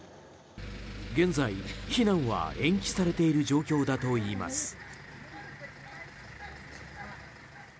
現在、避難は延期されている状況だといいます。